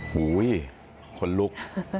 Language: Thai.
หูยคนลุก